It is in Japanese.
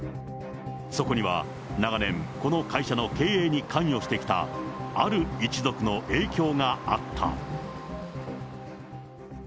そこには、長年、この会社の経営に関与してきたある一族の影響があった。